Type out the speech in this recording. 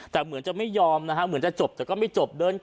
แต่เหมือนจะไม่ยอมจะจบแต่ก็ไม่จบ